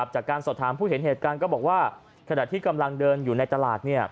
จากการสอบถามผู้เห็นเหตุการณ์ก็บอกว่าขณะที่กำลังเดินอยู่ในตลาด